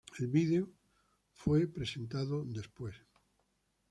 El video fue presentado luego.